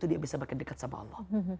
dia bisa makin dekat sama allah